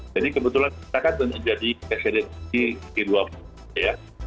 jadi kebetulan kita kan menjadi sdtg ke dua puluh ya